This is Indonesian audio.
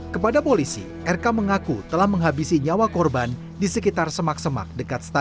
kepada polisi rk mengaku telah menghabisi nyawa korban di sekitar semak semak dekat stadion